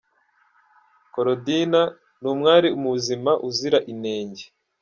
Korodina ni umwari muzima uzira inenge.